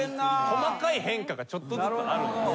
細かい変化がちょっとずつあるんです。